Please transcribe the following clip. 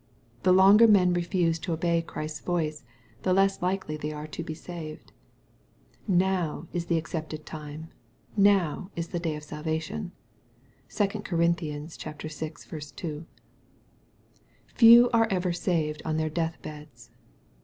The longer men refuse to obey Christ's voice, the less likely they are to be saved. " Now is the accepted time : now is the day of salvation." (2 Cor. vi. 2.) Few are ever saved on their death beds.